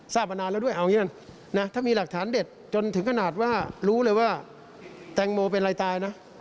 ถ้ามีหลักฐานเด็ดจนถึงขนาดว่ารู้เลยว่าแตงโมเป็นไรตายนะ